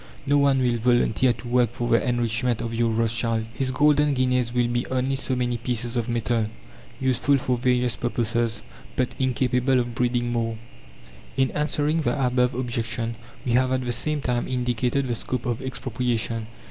No one will volunteer to work for the enrichment of your Rothschild. His golden guineas will be only so many pieces of metal useful for various purposes, but incapable of breeding more. In answering the above objection we have at the same time indicated the scope of Expropriation.